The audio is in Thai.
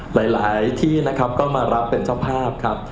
หลายที่นะครับก็มารับเป็นเจ้าภาพครับ